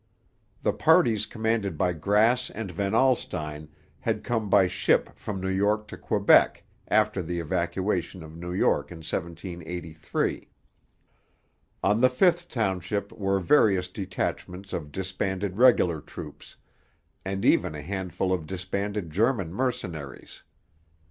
The parties commanded by Grass and Van Alstine had come by ship from New York to Quebec after the evacuation of New York in 1783. On the fifth township were various detachments of disbanded regular troops, and even a handful of disbanded German mercenaries.